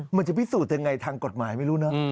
มันจะพิสูจน์ยังไงทางกฎหมายไม่รู้เนอะ